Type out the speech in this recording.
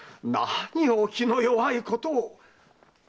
何をお気の弱いことを。